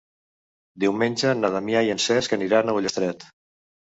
Diumenge na Damià i en Cesc aniran a Ullastret.